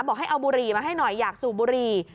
บอกให้เอาบุหรี่มาให้หน่อยอยากสูบบุหรี่